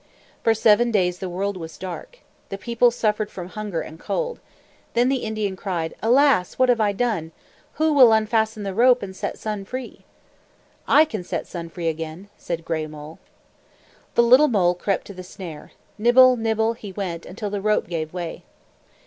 For seven days the world was dark. The people suffered from hunger and cold. Then the Indian cried, "Alas, what have I done! Who will unfasten the rope and set Sun free?" "I can set Sun free again," said Gray Mole. The little mole crept to the snare. Nibble, nibble, he went, until the rope gave way.